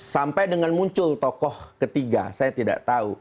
sampai dengan muncul tokoh ketiga saya tidak tahu